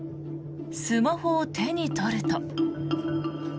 スマホを手に取ると。